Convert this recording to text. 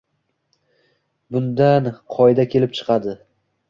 Bundan qoida kelib chiqadi: